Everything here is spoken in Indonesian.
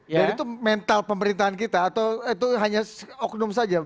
jadi itu mental pemerintahan kita atau itu hanya oknum saja